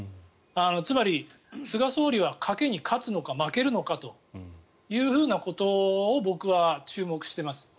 つまり、菅総理は賭けに勝つのか負けるのかというふうなことを僕は注目しています。